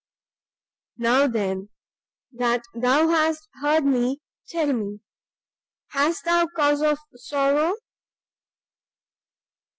"Now then, that thou hast heard me, tell me, hast thou cause of sorrow?"